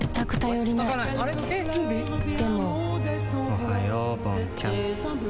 おはようぼんちゃん。